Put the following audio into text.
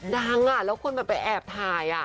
ดังน่ะแล้วคุณควัตอาจไปแอบถ่าย